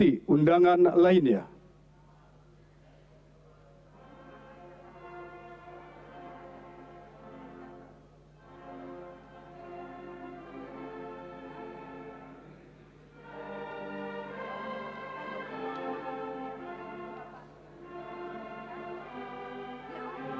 pemberian ucapan selamat